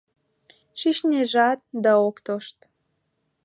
Шичнежат, да ок тошт.